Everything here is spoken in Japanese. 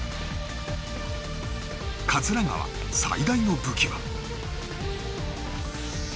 桂川、最大の武器は。